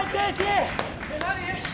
何？